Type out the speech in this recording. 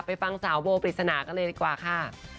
ฟังสาวโบปริศนากันเลยดีกว่าค่ะ